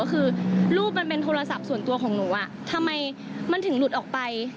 คือรูปมันเป็นโทรศัพท์ส่วนตัวของหนูทำไมมันถึงหลุดออกไป